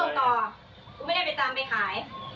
ต่อกูไม่ได้ไปตามไปขาย